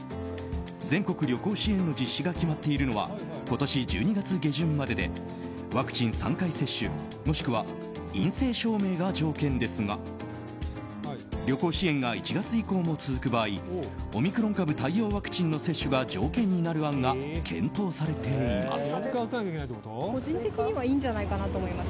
全国旅行支援の実施が決まっているのは今年１２月下旬まででワクチン３回接種もしくは陰性証明が条件ですが旅行支援が１月以降も続く場合オミクロン株対応ワクチンの接種が条件になる案が検討されています。